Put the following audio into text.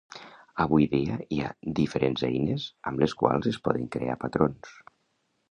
Avui dia hi ha diferents eines amb les quals es poden crear patrons.